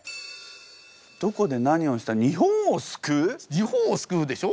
日本をすくうでしょ？